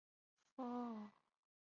你怎么会有钱买这个？